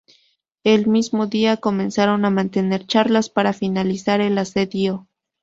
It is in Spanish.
El mismo día comenzaron a mantener charlas para finalizar el asedio.